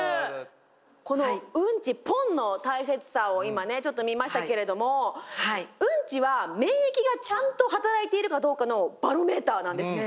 このうんちポンの大切さを今ねちょっと見ましたけれどもうんちは免疫がちゃんと働いているかどうかのバロメーターなんですね。